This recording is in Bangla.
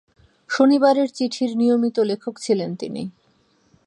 শনিবারের চিঠির নিয়মিত লেখক ছিলেন তিনি।